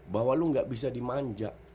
bahwa lu gak bisa dimanja